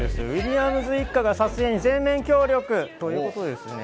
ウィリアムズ一家が撮影に全面協力ということです。